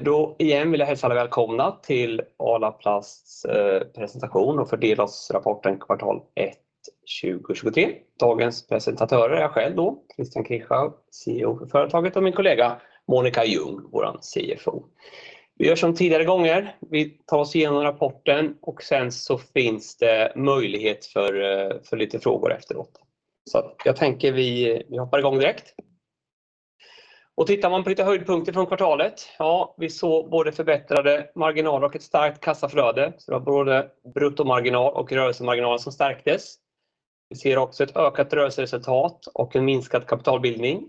Då igen vill jag hälsa alla välkomna till Arla Plast's presentation och fördelas rapporten Q1 2023. Dagens presentatörer är jag själv då, Christian Krichau, CEO för företaget, och min kollega Monica Ljung, våran CFO. Vi gör som tidigare gånger. Vi tar oss igenom rapporten och sen så finns det möjlighet för lite frågor efteråt. Jag tänker vi hoppar i gång direkt. Tittar man på lite höjdpunkter från kvartalet. Ja, vi såg både förbättrade marginaler och ett starkt kassaflöde. Det var både bruttomarginal och rörelsemarginal som stärktes. Vi ser också ett ökat rörelseresultat och en minskad kapitalbildning,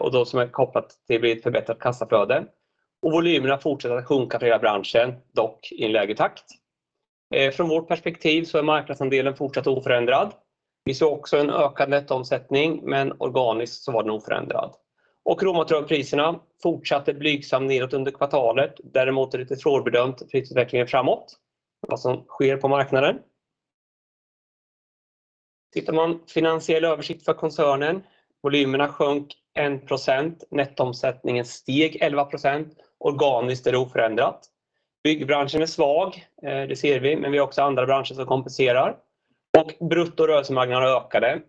och då som är kopplat till ett förbättrat kassaflöde. Volymerna fortsätter att sjunka för hela branschen, dock i en lägre takt. Från vårt perspektiv så är marknadsandelen fortsatt oförändrad. Vi ser också en ökad nettoomsättning, men organiskt så var den oförändrad. Råmaterialpriserna fortsatte blygsam nedåt under kvartalet. Däremot är det lite svårbedömt prisutvecklingen framåt, vad som sker på marknaden. Tittar man finansiell översikt för koncernen. Volymerna sjönk 1%, nettoomsättningen steg 11%. Organiskt är det oförändrat. Byggbranschen är svag, det ser vi, men vi har också andra branscher som kompenserar. Brutto och rörelsemarginalen ökade, och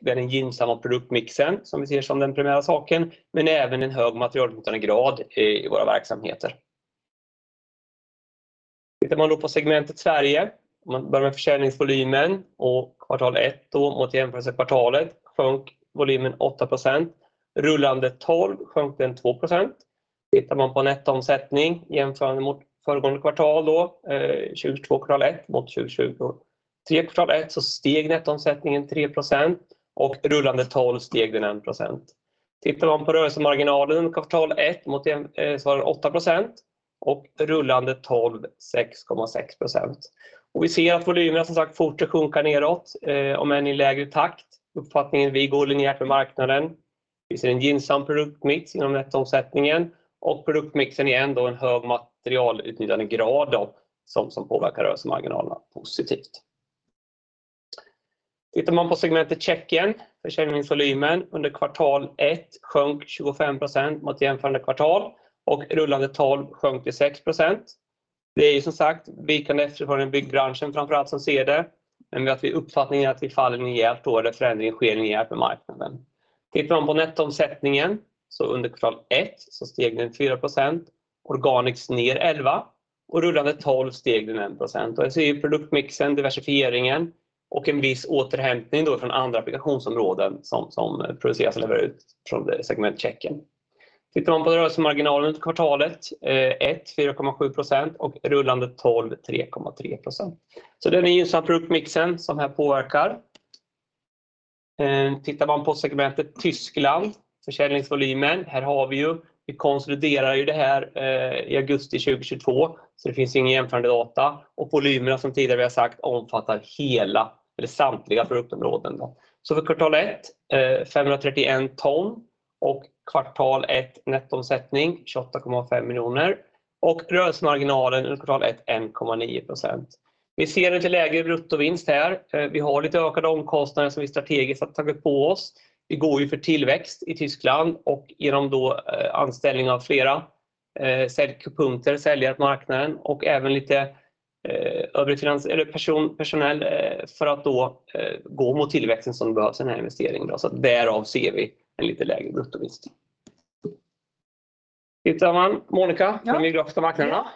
det är den gynnsamma produktmixen som vi ser som den primära saken, men även en hög materialutnyttjande grad i våra verksamheter. Tittar man då på segmentet Sverige. Om man börjar med försäljningsvolymen och kvartal ett då mot jämförelsekvartalet sjönk volymen 8%. Rullande 12 sjönk den 2%. Tittar man på nettoomsättning jämförande mot föregående kvartal då, 2022 kvartal ett mot 2023 kvartal ett, så steg nettoomsättningen 3% och rullande 12 steg den 1%. Tittar man på rörelsemarginalen Q1 mot så var det 8% och rullande tolv, 6.6%. Vi ser att volymerna som sagt fortsätter sjunka nedåt, om än i lägre takt. Uppfattningen. Vi går linjärt med marknaden. Vi ser en gynnsam produktmix inom nettoomsättningen. Produktmixen är ändå en hög materialutnyttjande grad då som påverkar rörelsemarginalerna positivt. Tittar man på segmentet Tjeckien, försäljningsvolymen under Q1 sjönk 25% mot jämförande kvartal. Rullande tolv sjönk till 6%. Det är ju som sagt vikande efterfrågan i byggbranschen framför allt som vi ser det. Vi har uppfattningen att vi faller linjärt då eller förändringen sker linjärt med marknaden. Tittar man på nettoomsättningen under Q1 steg den 4%, organiskt ner 11% och rullande tolv steg den 1%. Det ser vi produktmixen, diversifieringen och en viss återhämtning då från andra applikationsområden som produceras och levereras ut från segment Tjeckien. Tittar man på rörelsemarginalen under kvartal 1, 4.7% och rullande 12, 3.3%. Det är den gynnsamma produktmixen som här påverkar. Tittar man på segmentet Tyskland, försäljningsvolymen. Här har vi ju, vi konsoliderar ju det här i augusti 2022, så det finns ju ingen jämförande data. Volymerna som tidigare vi har sagt omfattar hela eller samtliga produktområden då. För kvartal 1, 531 tons och kvartal 1 nettoomsättning SEK 28.5 million och rörelsemarginalen under kvartal 1.9%. Vi ser en lite lägre bruttovinst här. Vi har lite ökade omkostnader som vi strategiskt har tagit på oss. Vi går ju för tillväxt i Tyskland och genom då anställning av flera säljpunkter, säljare på marknaden och även lite övrig personell för att då gå mot tillväxten som behövs i den här investeringen då. Därav ser vi en lite lägre bruttovinst. Tittar man, Monica, på de geografiska marknaderna?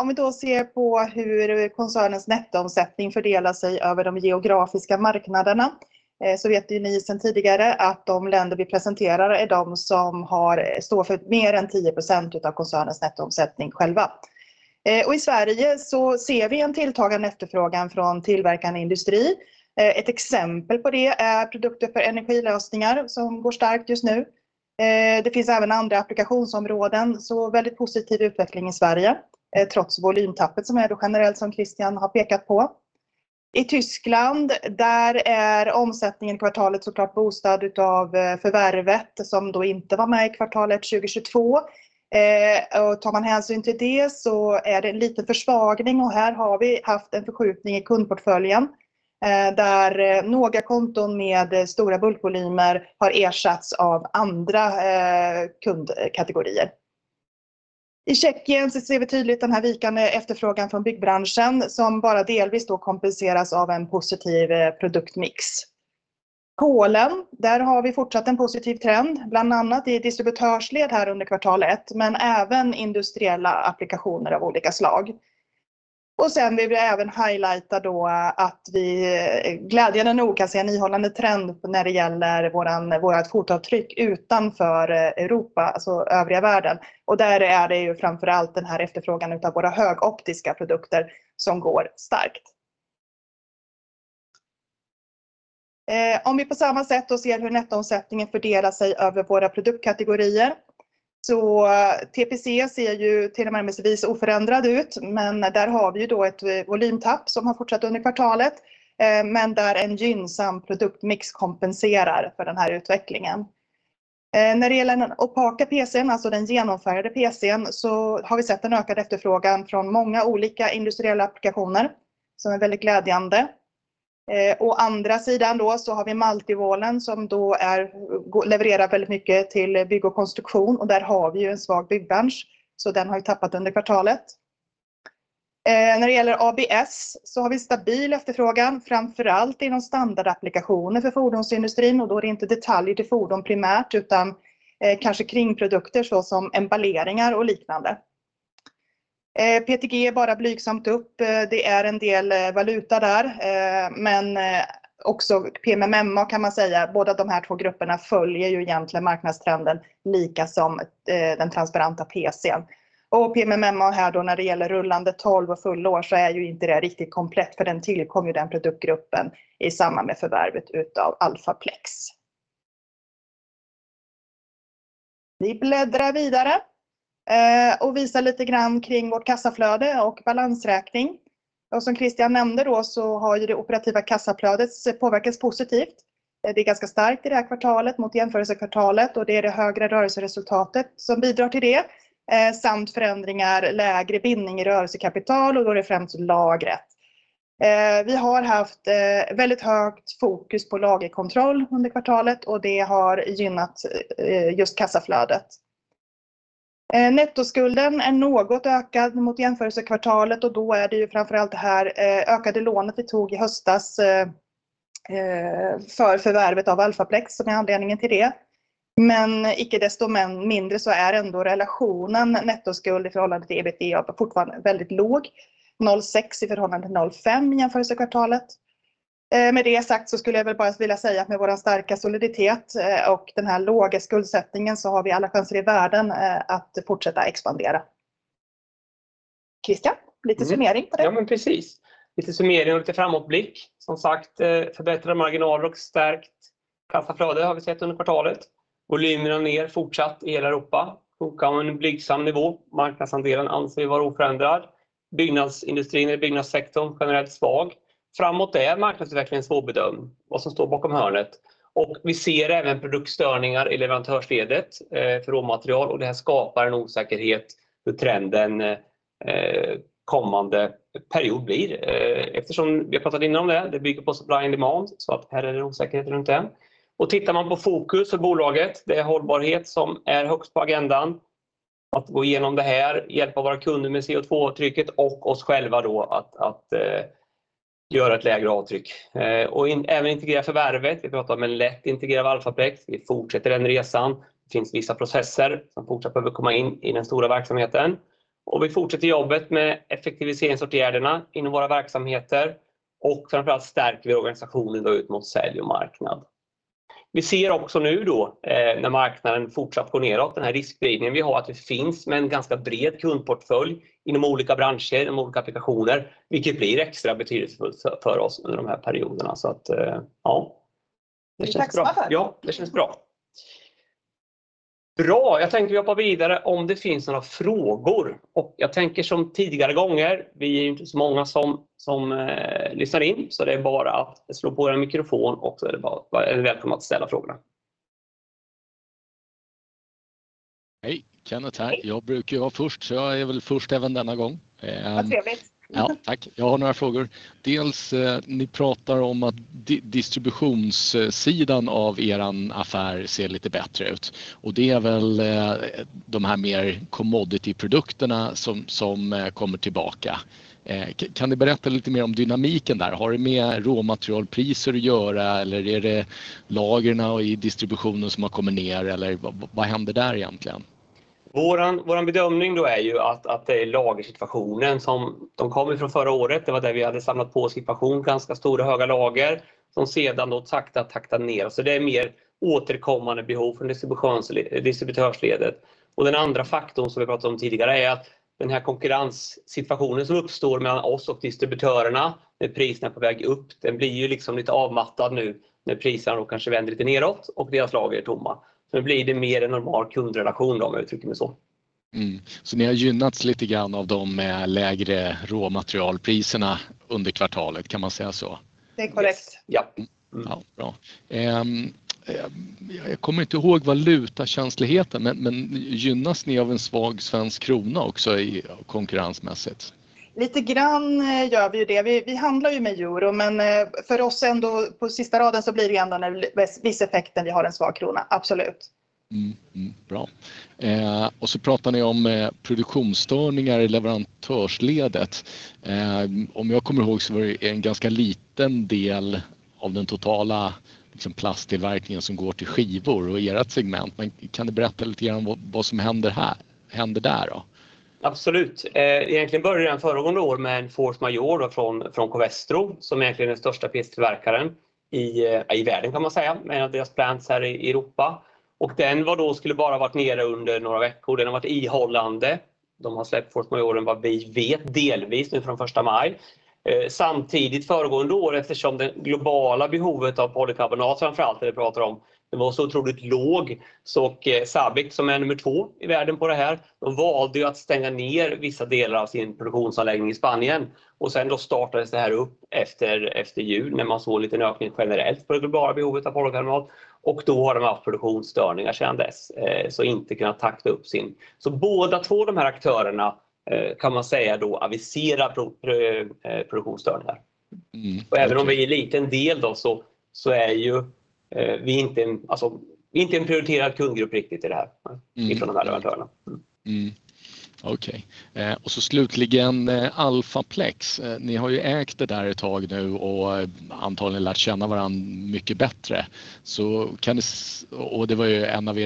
Om vi då ser på hur koncernens nettoomsättning fördelar sig över de geografiska marknaderna, så vet ju ni sedan tidigare att de länder vi presenterar är de som står för mer än 10% utav koncernens nettoomsättning själva. I Sverige så ser vi en tilltagande efterfrågan från tillverkande industri. Ett exempel på det är produkter för energilösningar som går starkt just nu. Det finns även andra applikationsområden. Väldigt positiv utveckling i Sverige, trots volymtappet som är då generellt som Christian har pekat på. I Tyskland, där är omsättningen i kvartalet så klart boostad utav förvärvet som då inte var med i kvartalet 2022. Tar man hänsyn till det så är det en liten försvagning och här har vi haft en förskjutning i kundportföljen, där några konton med stora bulkvolymer har ersatts av andra kundkategorier. I Tjeckien så ser vi tydligt den här vikande efterfrågan från byggbranschen som bara delvis då kompenseras av en positiv produktmix. Polen, där har vi fortsatt en positiv trend, bland annat i distributörsled här under kvartal 1, men även industriella applikationer av olika slag. Sen vill vi även highlighta då att vi glädjande nog kan se en ihållande trend när det gäller vårat fotavtryck utanför Europa, alltså övriga världen. Där är det ju framför allt den här efterfrågan utav våra högoptiska produkter som går starkt. Om vi på samma sätt då ser hur nettoomsättningen fördelar sig över våra produktkategorier. TPC ser ju till en märkligvis oförändrad ut, men där har vi ju då ett volymtapp som har fortsatt under kvartalet, men där en gynnsam produktmix kompenserar för den här utvecklingen. När det gäller den opaka PC, alltså den genomfärgade PC, så har vi sett en ökad efterfrågan från många olika industriella applikationer som är väldigt glädjande. Å andra sidan då har vi Multi Wallen som då är, levererar väldigt mycket till bygg och konstruktion och där har vi ju en svag byggbransch. Den har ju tappat under kvartalet. När det gäller ABS så har vi stabil efterfrågan, framför allt inom standardapplikationer för fordonsindustrin och då är det inte detaljer till fordon primärt utan kanske kringprodukter så som emballeringar och liknande. PETG är bara blygsamt upp. Det är en del valuta där. Också PMMA kan man säga. Båda de här två grupperna följer ju egentligen marknadstrenden lika som den transparenta PC. PMMA här då när det gäller rullande 12 och fullår så är ju inte det riktigt komplett för den tillkom ju den produktgruppen i samband med förvärvet utav Alphaplex. Vi bläddrar vidare och visar lite grann kring vårt kassaflöde och balansräkning. Som Christian nämnde då så har ju det operativa kassaflödet påverkats positivt. Det är ganska starkt i det här kvartalet mot jämförelsekvartalet och det är det högre rörelseresultatet som bidrar till det. Samt förändringar, lägre bindning i rörelsekapital och då är det främst lagret. Vi har haft väldigt högt fokus på lagerkontroll under kvartalet och det har gynnat just kassaflödet. Nettoskulden är något ökad mot jämförelsekvartalet och då är det ju framför allt det här ökade lånet vi tog i höstas för förvärvet av Alphaplex som är anledningen till det. Icke desto mindre så är ändå relationen nettoskuld i förhållande till EBITDA fortfarande väldigt låg. 0.6 i förhållande till 0.5 i jämförelsekvartalet. Med det sagt så skulle jag väl bara vilja säga att med vår starka soliditet och den här låga skuldsättningen så har vi alla chanser i världen att fortsätta expandera. Christian, lite summering på det. Precis. Lite summering och lite framåtblick. Som sagt, förbättrade marginaler och stärkt kassaflöde har vi sett under kvartalet. Volymerna ner fortsatt i hela Europa, på en blygsam nivå. Marknadsandelen anser vi vara oförändrad. Byggnadsindustrin eller byggnadssektorn generellt svag. Framåt är marknadsutvecklingen svårbedömd, vad som står bakom hörnet. Vi ser även produktstörningar i leverantörsledet för råmaterial och det här skapar en osäkerhet hur trenden kommande period blir. Eftersom vi har pratat innan om det bygger på supply and demand. Här är det osäkerhet runt den. Tittar man på fokus för bolaget, det är hållbarhet som är högst på agendan. Att gå igenom det här, hjälpa våra kunder med CO2-avtrycket och oss själva då att göra ett lägre avtryck. Även integrera förvärvet. Vi pratar om en lätt integrerad Alphaplex. Vi fortsätter den resan. Det finns vissa processer som fortsatt behöver komma in i den stora verksamheten. Vi fortsätter jobbet med effektiviseringsåtgärderna inom våra verksamheter och framför allt stärker vi organisationen då ut mot sälj och marknad. Vi ser också nu då, när marknaden fortsatt går neråt, den här riskspridningen vi har att vi finns med en ganska bred kundportfölj inom olika branscher, inom olika applikationer, vilket blir extra betydelsefullt för oss under de här perioderna. Ja, det känns bra. Ja, det känns bra. Bra, jag tänker vi hoppar vidare om det finns några frågor och jag tänker som tidigare gånger, vi är inte så många som lyssnar in. Det är bara att slå på eran mikrofon och så är det välkommet att ställa frågorna. Hej, Kenneth här. Jag brukar ju vara först, så jag är väl först även denna gång. Vad trevligt. Ja, tack. Jag har några frågor. Dels ni pratar om att distributionssidan av eran affär ser lite bättre ut och det är väl de här mer commodity-produkterna som kommer tillbaka. Kan ni berätta lite mer om dynamiken där? Har det med råmaterialpriser att göra? Eller är det lagrena i distributionen som har kommit ner? Eller vad hände där egentligen? Våran bedömning då är ju att det är lagersituationen som, de kommer från förra året. Det var där vi hade samlat på oss en situation, ganska stora höga lager som sedan då sakta taktat ner. Det är mer återkommande behov från distributörsledet. Den andra faktorn som vi pratade om tidigare är att den här konkurrenssituationen som uppstår mellan oss och distributörerna med priserna på väg upp, den blir ju liksom lite avmattad nu när priserna då kanske vänder lite nedåt och deras lager är tomma. Blir det mer en normal kundrelation om jag uttrycker mig så. Ni har gynnats lite grann av de lägre råmaterialpriserna under kvartalet. Kan man säga så? Det är korrekt. Ja. Ja, bra. Jag kommer inte ihåg valutakänsligheten, men gynnas ni av en svag svensk krona också i konkurrensmässigt? Lite grann gör vi ju det. Vi handlar ju med euro, men för oss ändå på sista raden så blir det ändå en viss effekt när vi har en svag krona. Absolut. bra. Pratar ni om produktionsstörningar i leverantörsledet. Om jag kommer ihåg så var det en ganska liten del av den totala liksom plasttillverkningen som går till skivor och i erat segment. Kan du berätta lite grann om vad som händer här, händer där då? Absolut. Egentligen började det här föregående år med en force majeure då från Covestro, som egentligen är den största plasttillverkaren i världen kan man säga, med deras plants här i Europa. Den skulle bara varit nere under några veckor. Den har varit ihållande. De har släppt force majeure vad vi vet delvis nu från first May. Samtidigt föregående år, eftersom det globala behovet av polykarbonat framför allt när vi pratar om, det var så otroligt låg. Sabic som är number 2 i världen på det här, de valde ju att stänga ner vissa delar av sin produktionsanläggning i Spanien och sen då startades det här upp efter jul när man såg en liten ökning generellt för det globala behovet av polykarbonat och då har de haft produktionsstörningar sedan dess. Inte kunnat takta upp sin... båda två de här aktörerna kan man säga då aviserar produktionsstörningar. Även om vi är en liten del då så är ju vi inte en prioriterad kundgrupp riktigt i det här ifrån de här leverantörerna. Okej. Slutligen Alphaplex. Ni har ju ägt det där ett tag nu och antagligen lärt känna varandra mycket bättre. Det var ju en av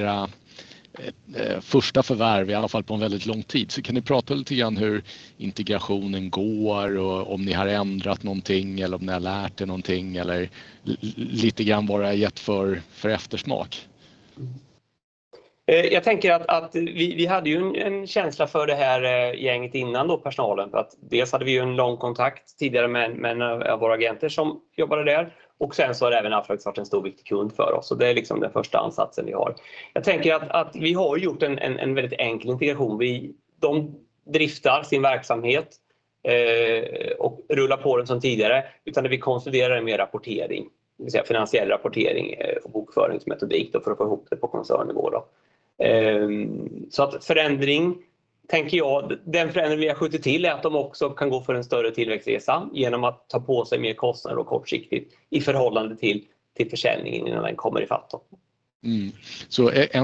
era första förvärv, i alla fall på en väldigt lång tid. Kan ni prata lite grann hur integrationen går och om ni har ändrat någonting eller om ni har lärt er någonting? Eller lite grann vad det har gett för eftersmak. Jag tänker att vi hade ju en känsla för det här gänget innan då personalen. Dels hade vi ju en lång kontakt tidigare med några av våra agenter som jobbade där och sen so har även Alphaplex varit en stor, viktig kund för oss. Det är liksom den första ansatsen vi har. Jag tänker att vi har ju gjort en väldigt enkel integration. De driftar sin verksamhet och rullar på den som tidigare, utan det vi konsoliderar är mer rapportering, det vill säga finansiell rapportering och bokföringsmetodik då för att få ihop det på koncernnivå då. Förändring tänker jag, den förändring vi har skjutit till är att de också kan gå för en större tillväxtresa genom att ta på sig mer kostnader då kortsiktigt i förhållande till försäljningen innan den kommer ifatt då.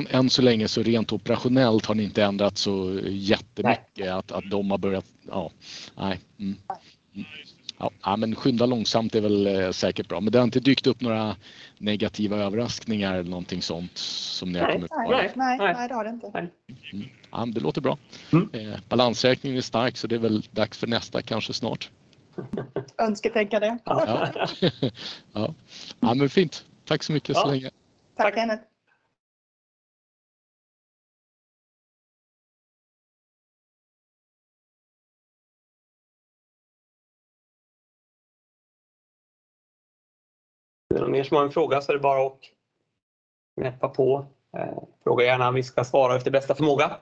Än så länge, så rent operationellt har ni inte ändrat så jättemycket. Nej. Att de har börjat, ja. Nej. Ja men skynda långsamt är väl säkert bra. Det har inte dykt upp några negativa överraskningar eller någonting sånt som ni har kommit på? Nej. Nej, nej det har det inte. Nej. Ja, det låter bra. Mm. Balansräkningen är stark, så det är väl dags för nästa kanske snart. Önsketänka det. Ja. Ja, fint. Tack så mycket så länge. Tack, tack. Är det någon mer som har en fråga så är det bara att knäppa på. Fråga gärna. Vi ska svara efter bästa förmåga.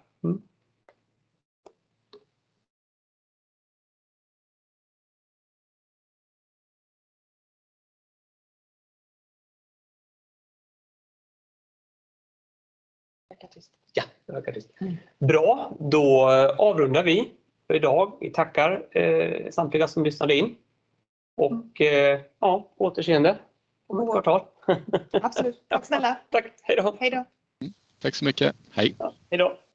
Det verkar tyst. Bra, avrundar vi för i dag. Vi tackar samtliga som lyssnade in och på återseende om ett kvartal. Absolut. Tack snälla. Tack. Hejdå. Hejdå. Tack så mycket. Hej. Hejdå